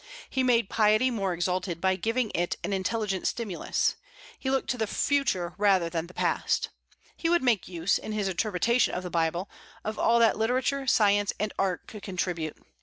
He made piety more exalted by giving it an intelligent stimulus. He looked to the future rather than the past. He would make use, in his interpretation of the Bible, of all that literature, science, and art could contribute.